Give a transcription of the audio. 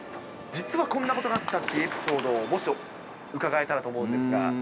実はこんなことがあったっていうエピソードをもし伺えたらと思うんですが。